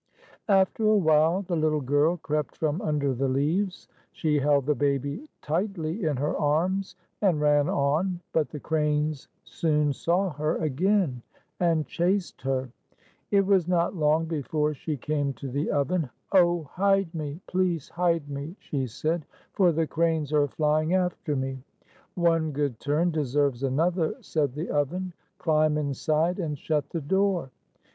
After a while, the little girl crept from under the leaves. She held the baby tightly in her arms and ran on. But the cranes soon saw her again, and chased her. It was not long before she came to the oven. "Oh, hide me! Please hide me," she said, "for the cranes are flying after me!" "One good turn deserves another," said the oven. "Climb inside and shut the door."